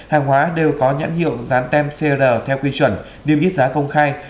hàng hóa đều có nhãn hiệu rán tem cr theo quy chuẩn niêm yết giá công khai